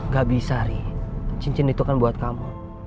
gak bisa ri cincin itu kan buat kamu